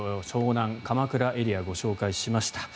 湘南・鎌倉エリアご紹介しました。